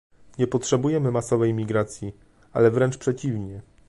Nie potrzebujemy masowej imigracji, ale wręcz przeciwnie